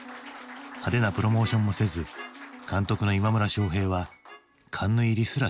派手なプロモーションもせず監督の今村昌平はカンヌ入りすらしていなかった。